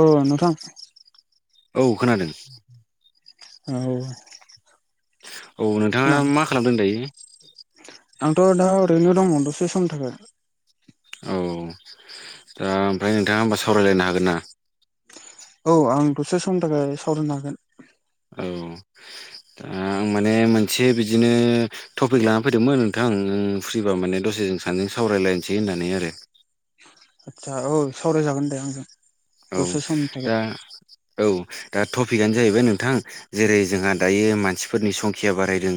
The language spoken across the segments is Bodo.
औ नोंथां। औ खोनादों। औ। औ नोंथाङा खोनादों मा खालामदों दायो? आंथ' दा ओरैनो दं दसे समनि थाखाय। औ दा ओमफ्राय नोंथाङा होमबा सावरायलायनो हागोन ना? औ आं दसे समनि थाखाय सावरायनो हागोन। औ दा आं माने मोनसे बिदिनो टपिक लाना फैदोंमोन नोंथां उम फ्रिबा माने दसेजों सानैजों सावरायलायसै होननानै आरो। आदसा औ सावरायजागोन दे आंजों। औ दसे समनि थाखाय दा औ दा टपिकआनो जाहैबाय नोंथां जेरै जोंहा दायो मानसिफोरनि संखिया बारायदों।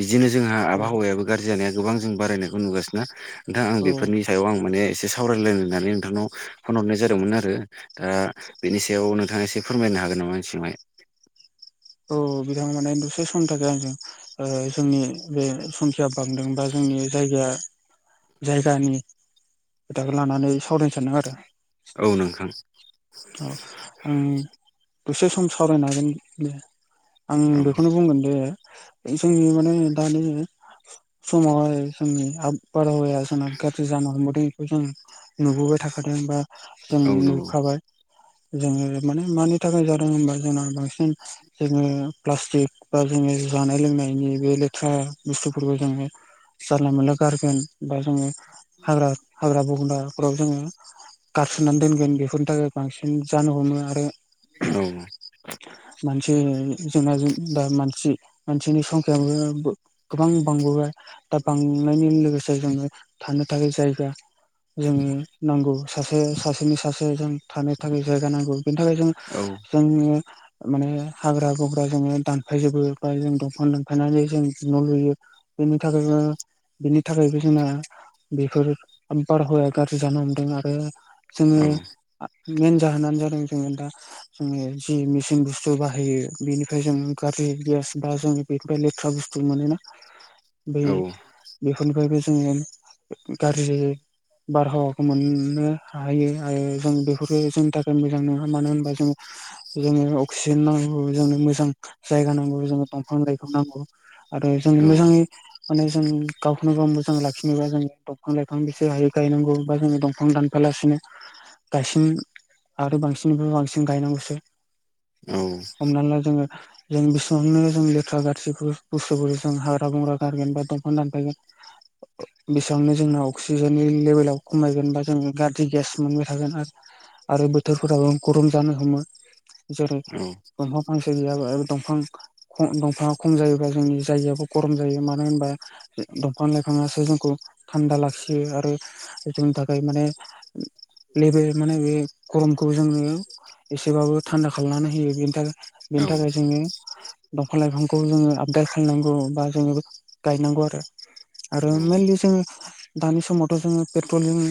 बिदिनो जोंहा औ आबहावायाबो गाज्रि जानाया गोबां जों बारायनायखौ नुगासिनोना। नोंथां आं औ बेफोरनि सायाव आं माने एसे सावरायलायनानै नोंथांनाव फन हरनाय जादोंमोन आरो। दा बेनि सायाव नोंथाङा एसे फोरमायनो हागोन नामा आंनि सिगाङावहाय? औ बिथाङा माने दसे समनि थाखाय आंजों ओ जोंनि बे संखिया बांदों बा जोंनि जायगाया जायगानि खोथाखो लानानै सावरायनो सानदों आरो। औ नोंथां। औ आं दसे सम सावरायनो हागोन दे। आं औ बेखौनो बुंगोन दे जोंनि माने दानि समावहाय जोंनि आब बारहावाया दा जोंना गाज्रि जानो हमबोदों बेखौ जों नुबोबाय थाखादों बा जों औ नंगौ नुखाबाय। जोङो माने मानि थाखाय जादों होनबा जोंना बांसिन जोङो प्लास्टिक बा जोङो जानाय लोंनायनि बे लेथ्रा बुस्थुफोरखौ जोङो जारला मोनला गारगोन बा जोङो हाग्रा हाग्रा बंग्रा न'फ्राव जोङो गारसोनानै दोनगोन बेफोरनि थाखाय बांसिन जानो हमो आरो औ। मानसि जोंना दा मानसि मानसिनि संखियाबो गोबां बांबोबाय दा बांनायनि लोगोसे जोङो थानो थाखाय जायगा जोंङो नांगौ सासे सासेनि सासे जों थानो थाखाय जायगा नांगौ। बेनि थाखाय जों औ जोनि माने हाग्रा गंग्रा जोङो दानफायजोबो बा जों दंफां दानफायनानै जों न' लुयो। बेनि थाखायबो बेनि थाखायबो जोंना। बेफोर बारहावाया गाज्रि जानो हमदों आरो औ जोङो। मेन जाहोनानो जादों जोङो दा। जोङो जि मिसिन बुस्थु बाहायो बेनिफ्राय जों गारजि गेस बा जों। बेनिफ्राय लेथ्रा बुस्थु मोनोना बै। औ बेफोरनिफ्रायबो जोङो गाज्रि बारहावाखौ मोननो हायो आरो जों बेफोरो जोंनि थाखाय मोजांनोङा मानो होनबा जोङो जोंनो अक्सिजेन नांगौ जोंनो मोजां जायगा नांगौ जोंनो दंफां लाइफां नांगौ। आरो जों औ मोजाङै माने जों गावखौनो गाव मोजां लाखिनोबा जों दंफां लाइफां बिसे हायो गायनांगौ बा जो दंफां दान फायालासिनो गायसिन आरो बांसिननिफ्राय बांसिन गायनांगौसो। औ। हमना ला जोङो। जों बेसेबांनो जों लेथ्रा गारजि बुस्थुफोरखौ जों हाग्रा बंग्रा गारगोन बा दंफां दानफायगोन बेसेबांनो जोंना अक्सिजेननि लेभेलाव खमायगोनबा जों गाज्रि गेस मोनगोन। हागोन आरो बोथोरफोराबो गरम जानो हमो जेरै औ दंफां फांसे गैयाबा ओ दंफां दंफाङा खम जायोबा जोंनि जायगायाबो गरम जायो मानो होनबा दंफां लाइफाङासो जोंखौ थान्दा लाखियो आरो जोंनि थाखाय माने लेबेल माने बे गरमखौ जोङो एसेबाबो थान्दा खालामनानै होयो बेनि थाखाय बेनि थाखाय जोंनो दंफां लाइफांखौ जोङो आबदाल खालामनांगौ बा जोङो गायनांगौ आरो आरो मेनलि जोङो दानि समावथ' जोङो पेट्रलिं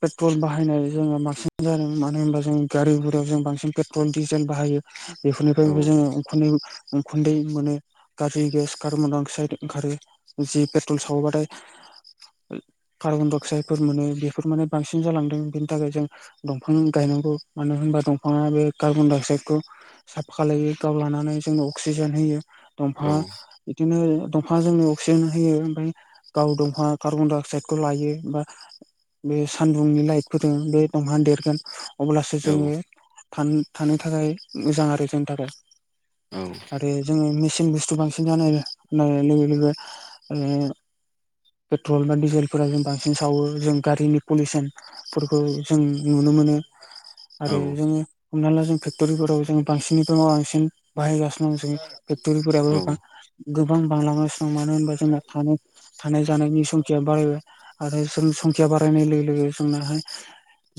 पेट्रल बाहायनाय जोङो बांसिन जादों मानो होनबा जों गारि गुरायाव जों बांसिन पेट्रल डिजेल बाहायो बेफोरनिफ्रायबो जोङो उखुन्दै उखुन्दै मोनो गाज्रि गेस कार्बन डाइ अक्साइड ओंखारो जि पेट्रल सावोबाथाय कार्बन डाइ अक्साइडफोर मोनो बेफोर माने बांसिन जालांदों बेनि थाखाय जों दंफां गायनांगौ मानो होनबा दंफाङा बे कार्बन डाइ अक्साइदखौ साफा खालायो गाव लानानै जोंनो अक्सिजेन होयो दंफांआ बिदिनो दंफांआ जोंनो अक्सिजेन होयो ओमफ्राय गाव दंफांआ कार्बन डाइ अक्साइदखौ लायो बा बे सानदुंनि लाइटफोरजों बे दंफाङा देरगोन अब्लासो जोंनि थान थानो थाखाय मोजां आरो जोंनि थाखाय औ आरो जोङो मेसिन बुस्थु बांसिन जानाय होननाय लोगो लोगो ओ पेट्रल बा डिजेलफोरा जों बांसिन सावो जों गारिनि पलिउसनफोरखौ जों नुनो मोनो आरो जोङो हमना ला जों फेक्टरिफोराव जों बांसिननिफ्राय बांसिन बाहायगासिनो दं जों फेक्ट'रिफोराबो बां गोबां बांलांगासिनो दं मानो होनबा जोंना थानो थानाय जानायनि संखिया बारायबाय आरो जों संखिया बारायनाय लोगो लोगो जोंनाहाय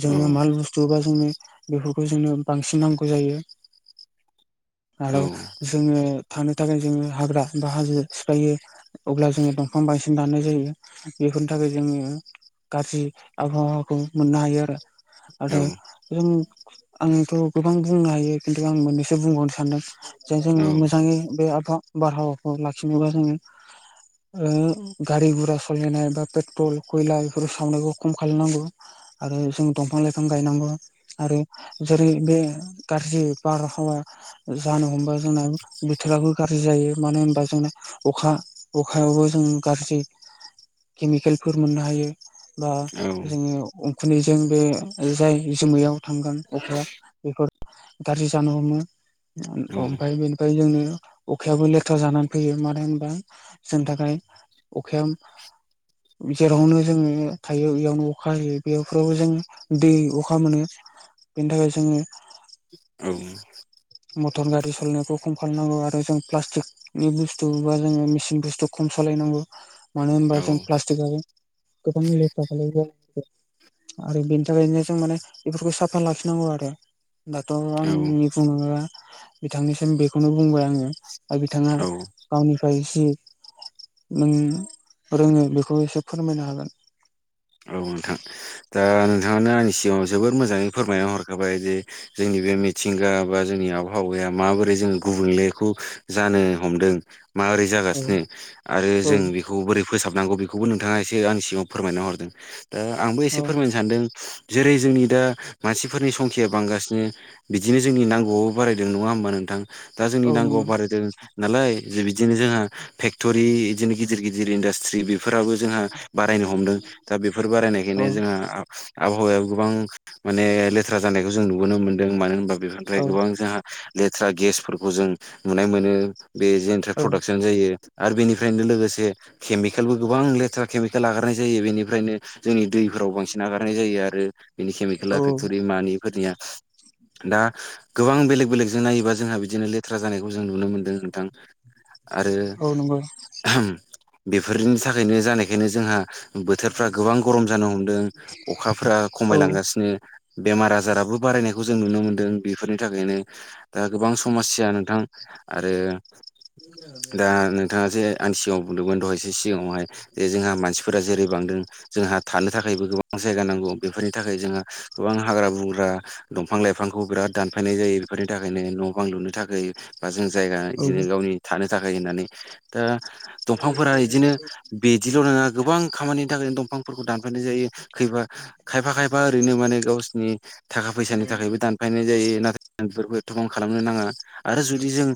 जोंनि मानल बुस थु बा जोंनो बेफोरखौ जोंनो बांसिन नांगौ जायो आरो जोङो थानो थाखाय जोङो हाग्रा बा हाजो सिफायो अब्ला जोङो दंफां बांसिन दानाय जायो बेफोरनि थाखाय जोङो गाज्रि आबहावाखौ मोननो हायो आरो नाथाय जों आङोथ' गोबां बुंनो हायो खिन्थु आं मोननैसो बुंबावनि सानदों जाय जोङो मोजाङै बे आबहावा बारहावाखौ लाखिनोबा जोङो ओ गारि गुरा सालायनाय बा पेट्रल खयला बेफोर सावनायखौ खम खालामनांगौ आरो जों दंफां लाइफां गायनांगौ। आरो जेरै बे गाज्रि बारहावा जानो हमबा जोंना बोथोराबो गाज्रि जायो मानो होनबा जोंना अखा अखायावबो जों गाज्रि केमिकेलफोर मोननो हायो। बा औ जोङो उखुन्दैजों बे जाय जोमैयाव थांगोन अखाया बेफोर गाज्रि जानो हमो औ अमफाय बेनि फ्राय जोंनो अखायाबो लेथ्रा जानानै फैयो मानो होनबा जोंनि थाखाय अखायाव जेरावनो जोङो नुयो थायो बेयावनो अखा होयो बेवफ्रावबो जोङो दै अखा मोनो बेनि थाखाय जोङो औ। मटर गारि सालायनायखौ खम खालामनांगौ आरो जों प्लास्टिक नि बुस्थु बा जोङो मेचिन बुस्थु खम सालायनांगौ मानो औ होनबा जों प्लास्टिक आरो गोबां लेथ्रा खालायो आरो बेनि थाखायनो जों माने बेफोरखौ साफा लाखिनांगौ आरो। दाथ' औ आंनि बुङोब्ला बिथांनिसिम बेखौनो बुंबाय आङो। दा बिथाङा औ गावनिफ्राय जि नों रोङो बेखौ एसे फोरमायनो हागोन। औ नोंथां दा नोंथाङानो आंनि सिगाङाव जोबोद मोजाङै फोरमायना हरखाबाय जे जोंनि बे मिथिंगा बा जोंनि आबहावाया माबोरै जों गुबुंलेखौ जानो हमदों मारै औ जागासिनो आरो औ जों बेखौ बोरै फोसाबनांगौ बेखौबो नोंथाङा एसे आंनि सिगांङाव फोरमायना हरदों। दा आंबो औ एसे फोरमायनो सानदों जेरै जोंनि दा मानसिफोरनि संखिया बांगासिनो बिदिनो जोंनि नांगौआबो बारायदों नङा होमबा नोंथां दा जोंनि औ नांगौआ नंगौ बारायदों नालाय जे बिदिनो जोंहा फेक्ट'रि बिदिनो गिदिर गिदिर इन्डास्ट्रि बे फोराबो जोंहा बारायनो हमदों दा बेफोर औ बारायनायखायनो जोंहा ओ आबहावायाव गोबां माने लेथ्रा जानायखौ जों नुुबोनो मोनदों मानो होनबा बेफोर ओमफ्राय गोबां औ जोंहा लेथ्रा गेसफोरखौ जों नुनाय मोनो बे जेन औ प्रडाक्सन जायो आरो बेनिफ्रायनो लोगोसे केमिकेलबो गोबां लेथ्रा केमिकेल आगारनाय जायो बेनि ओफ्रायनो जोंनि दैफोराव बांसिन नगारनाय जायो आरो बिनि औ केमिकेला फेक्ट'रि मानिफोरनिया दा गोबां बेलेग बेलेगजों नायोबा जोंहा बिदिनो लेथ्रा जानायखौ जों नुनो मोन्दों नोंथां। आरो औ नंगौ आहाम बेफोरनि थाखायनो जानायखायनो जोंहा बो बोथोरफ्रा गोबां गरम जानो हमदों अखाफोरा औ खमायलांगासिनो बेमार आजाराबो बारायनायखौ जों नुनो मोनदों बेफोरनि थाखायनो दा गोबां समस्या नोंथां। आरो दा नो नोंथाङा जे आं सिगाङाव बुंदोंमोन दहायसो सिगाङावहाय जे जोंहा मानसिफोरा जेरै दों जोंहा थानो थाखायबो गोबां जायगा नांगौ बेफोरनि थाखाय जोंहा गोबां हाग्रा बंग्रा दंफां लाइफांखौ बिराद दानफायनाय जायो बेफोरनि थाखायनो न' बां लुनो थाखाय बा जों जायगा औ बिदिनो गावनि थानो थाखाय होननानै दा दंफांफोरा इदिनो बिदिल' नङा गोबां खामानिनि थाखायनो दंफांफोरखौ दानफायनाय जायो खैफा खायफा खायफा ओरैनो माने गावसिनि थाखा फैसानि थाखायबो दानफायनाय जायो नाथाय बेफोरखौ एथ'गाम खालामनो नाङा। आरो जुदि जों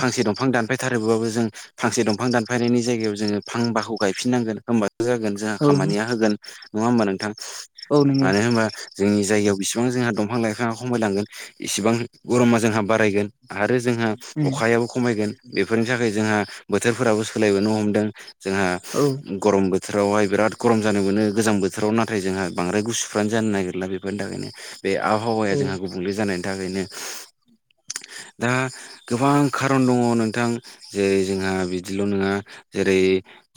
फांसे दं दंफां दानफायथारोबाबो जों फांसे दंफां दानफायनायनि जायगायाव जोंङो फांबाखौ गायफिन नांगोन होमबा जागोन जोंहा औ खामानिया होगोन नङा होमबा नोंथां औ नंगौ मानो होनबा जोंनि जायगायाव बिसिबां जोंहा दंफां लाइफाङा खमायलांगोन इसिबां गरमा जोंहा बारायगोन। आरो जोंहा उम अखायाबो खमायगोन। बेफोरनि थाखाय जोंहा बोथोरफोराबो सोलायबोनो हमदों जोंहा औ। गरमबो बोथोरावहाय बिराद गरम जानो मोनो गोजां बोथोराव नाथाय जोंहा बांद्राय गुसुफ्रानो जानो नागिरला बेफोरनि थाखायनो बे आबहावाया औ जोंहा गुबुंले जानायनि थाखायनो दा गोबां खारन दङ नोंथां जेरै जोंहा बिदिल' नङा जेरै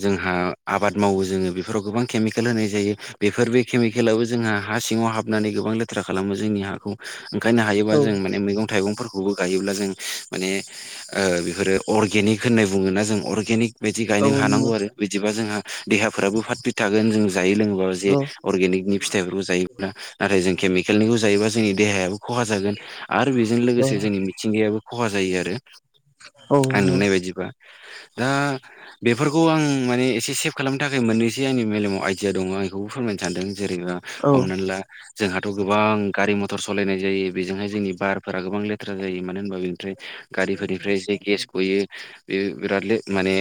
जोंहा आबाद मावो जोङो बेफोराव गोबां केमिकेल होनाय जायो। बेफोर बे केमिकेलाबो जोंहा हा सिङाव हाबनानै गोबां लेथ्रा खालामो जोंनि हाखौ ओंखायनो हायोबा औ जों माने मैगं-थाइगंफोरखौ बेखौबो गायोब्ला जों माने ओ बेफोरो अर्गेनिक होननाय बुङोना जों अर्गेनिक बिदि औ गायनो हानांगौ नंगौ आरो बिदिबा जोंहा देहाफ्राबो फारफिट थागोन जों जायो लोङोबा जे औ अर्गेनिकनि फिथाइफोरखौ जायोब्ला नाथाय जों केमिकेलनिखौ जायोब्लाा जोंनि देहायाबो खहा जागोन। आरो बेजों औ लोगोसे जोंनि मिथिंगायाबो खहा जायो आरो औ आं नंगौ नुनाय बायदिबा दा बेफोरखौ आं माने एसे सेफ खालामनो थाखाय मोननैसो आंनि मेलेमाव आइडिया दङ आं बेखौबो फोरमायनो सानदों जेरैबा औ हमनानै ला जोंहाथ' गोबां गारि मथर सालायनाय जायो बेजोंहाय जोंनि बारफोरा गोबां लेथ्रा जायो मानो होनबा बेनिफ्राय गारिफोरनिफ्राय जे गेस गयो बे बिराद ले माने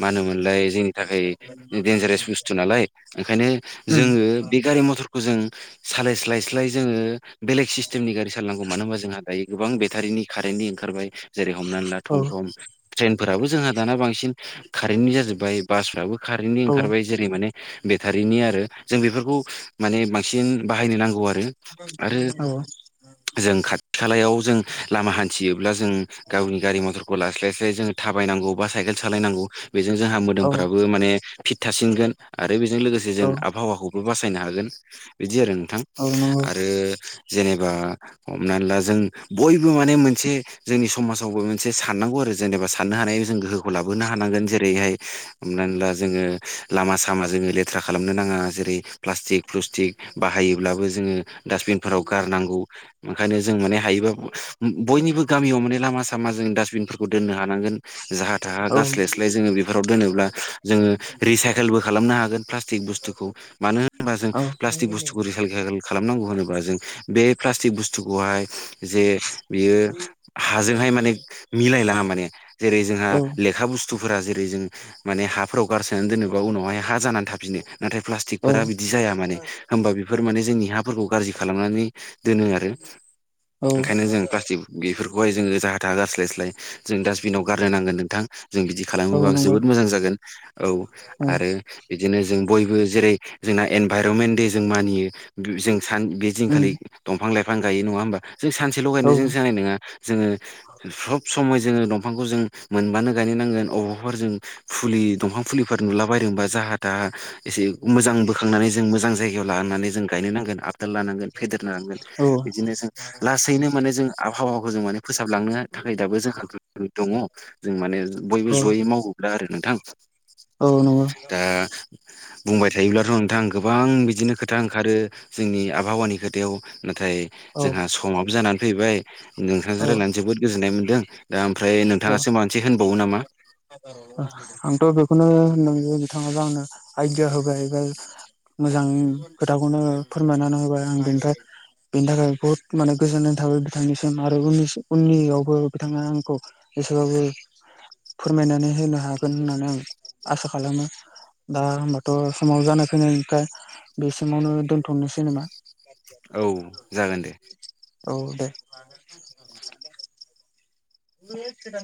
मा होनोमोनलाय जोंनि थाखाय दडेनजारेस बुस्थु नालाय ओंखायनो उम जोङो बे गारि मथरखौ जों सालाय स्लाय स्लाय जोङो बेलेग सिस्टेमनि गारि सालनांगौ मानो होनबा जोंहा दायो गोबां बेटारिनि कारेन्टनि ओंखारबाय जेरै हमनानै ला औ थम थम ट्रेनफोराबो जोंहा दाना बांसिन कारेन्टनि जाजोब्बाय बासफ्राबो खारेनन्टनि औ ओंखारबाय जेरै माने बेटारिनि आरो जों बेफोरखौ माने बांसिन बाहायनो नांगौ आरो आरो औ जों खाथि खालायाव जों लामा हान्थियोब्ला जों गावनि गारि मथरखौ लास्लाय लास्लाय जोङो थाबायनांगौ बा साइकेल सालायनांगौ बेजों जोंहा औ मोदोमफ्राबो माने फिट थासिनगोन आरो बेजों लोगोसे जों आबहावाखौबो बासायनो हागोन। बिदि आरो नोंथां औ नंगौ आरो जेनेबा हमनानै ला जों बयबो माने मोनसे जोंनि समाजावबो मोनसे साननांगौ आरो जेनेबा साननो हानाय जों गोहोखौ लाबोनो हानांगोन जेरैहाय होनब्ला जोङो लामा सामा जोङो लेथ्रा खालामनो नाङा जेरै प्लास्टिक प्लुस्टिक बाहायोब्लाबो जोङो डासटबिनफोराव गारनांगौ ओंखायनो जों माने हायोबा बयनिबो गामियाव माने लामा सामा जों डास्टबिनफोरखौ दोननो हानांगोन। जाहा थाहा औ उम गास्लायस्लाय जोङो बेफोराव दोनोब्ला जोङो रिसाइकेलबो खालामनो हागोन प्लास्टिक बुस्थुखौ मानो होनोबा जों प्लास्टिक बुस्थुखौ रिखालेल खालामनांगौ होनोब्ला जों बे प्लास्टिक बुस्थुखौहाय जे बियो हाजोंहाय माने मिलायलाङा माने जेरै जोंहा औ लेखा बुस्थुफोरा जेरै जों माने हाब हाफ्राव गारसोनानै दोनोबा उनावहाय हा जानानै थाफिनो नाथाय प्लास्टिकफोरा बिदि जाया माने होमबा बेफोर माने जोंनि हाफोरखौ गाज्रि खालामनानै दोनो आरो औ ओंखायनो जों औ प्लास्टिक बेफोरखौहाय जोङो जाहा था गस्लायस्लाय जों दासटबिनाव गारनो नांगोन नोंथां जों बिदि खालामोबा नंगौ जोबोद मोजां जागोन औ आरो बिदिनो जों बयबो जेरै जोंना एनभाइरनमेन्ट दे जों मानियो। जों सान बे दिनखालि दंफां-लाइफां गायो नङा होमबा जों सानसे लगायनाय जों जानाय नङा जोङो सब समय जोङो दंफांखौ जों मोनबानो गाय नांगोन अबावबफोरा जों फुलि दंफां फुलिफोर नुलाबायदोंबा जाहा था एसे मोजां बोखांनानै जों मोजां जायगायाव लानानै जों गायनो नांगोन आबदाल लानांगोन फेदेरनो नांगोन बिदिनो जों लासैनो माने जों आबहावाखौ जों माने फोसाबलांनो थाखाय दाबो जोंहा दङ। जों माने बयबो जयै मावबोरा आरो नोंथां दा बुंबाय थायोब्लाथ' नोंथां गोबां बिदिनो खोथा ओंखारो जोंनि आबहावानि खोथायाव नाथाय औ जोंहा समाबो जानानै फैबाय नोंथांजों औ रायलायनानै जोबोद गोजोननाय मोन्दों दा आमफ्राय औ नोंथाङासो माबा मोनसे होनबावो नामा [inaudible] आंथ' बेखौनो होन बिथाङाबा आंनो आइदिया होबाय एबा मोजां खोथाखौनो फोरमायनानै होबाय आं बेनिफ्राय बेनि थाखाय बहुत माने गोजोननाय थाबाय बिथांनिसिम आरो उनि- उननियावबो बिथाङा आंखौ एसेबाबो फोरमायनानै होनो हागोन होननानै आं आसा खालामो दा होमबाथ' समाव जानाय फैनायखाय बे समावनो दोनथ'नोसैनामा! औ जागोन दे। औ दे [inaudible]